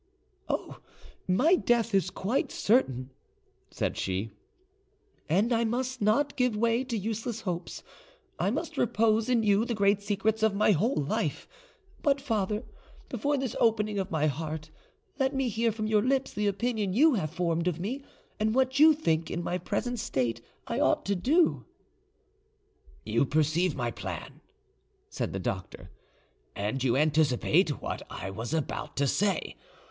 "Oh, my death is quite certain," said she, "and I must not give way to useless hopes. I must repose in you the great secrets of my whole life; but, father, before this opening of my heart, let me hear from your lips the opinion you have formed of me, and what you think in my present state I ought to do." "You perceive my plan," said the doctor, "and you anticipate what I was about to say.